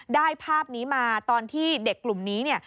ได้ภาพนี้มาตอนที่เด็กกลุ่มนี้